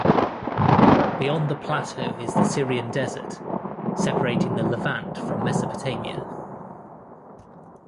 Beyond the plateau is the Syrian desert, separating the Levant from Mesopotamia.